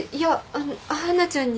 あの華ちゃんに。